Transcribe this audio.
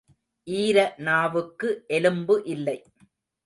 ஈர நாவுக்கு எலும்பு இல்லை.